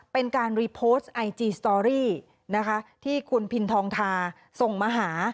เป็นการรีโพสต์ไอจีสตอรี่นะคะที่คุณพินทองทาส่งมาหา